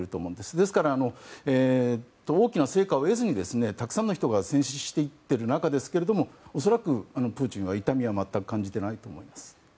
ですから、大きな成果を得ずにたくさんの人が戦死している中ですが恐らく、プーチンは痛みを全く感じていないと思います。